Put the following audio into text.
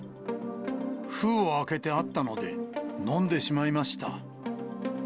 封を開けてあったので、飲んでしまいました。